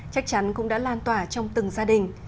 chắc chắn cũng đã lan tỏa trong từng gia đình